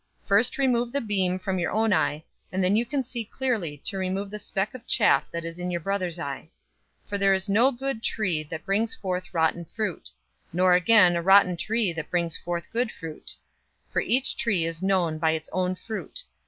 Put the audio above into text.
First remove the beam from your own eye, and then you can see clearly to remove the speck of chaff that is in your brother's eye. 006:043 For there is no good tree that brings forth rotten fruit; nor again a rotten tree that brings forth good fruit. 006:044 For each tree is known by its own fruit.